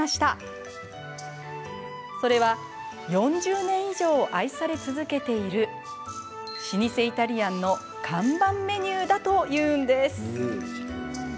それは４０年以上愛され続けている老舗イタリアンの看板メニューだというんです。